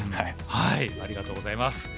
ありがとうございます。